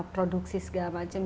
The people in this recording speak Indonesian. produksi segala macam